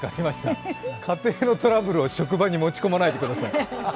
家庭のトラブルを職場に持ち込まないでください。